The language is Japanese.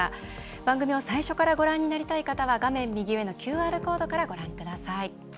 番組を最初からご覧になりたい方は画面右上のＱＲコードからご覧ください。